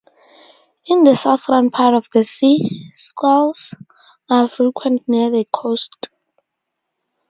In the southern part of the sea, squalls are frequent near the coast.